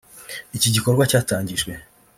Iki gikorwa cyatangijwe